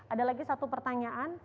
ada lagi satu pertanyaan